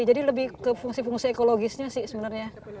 jadi lebih ke fungsi fungsi ekologisnya sih sebenarnya